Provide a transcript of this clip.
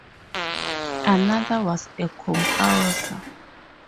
Another was a composer.